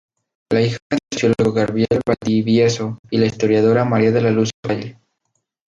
Es hija del sociólogo Gabriel Valdivieso y la historiadora María de la Luz Ovalle.